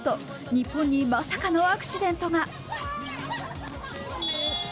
日本のまさかのアクシデントが。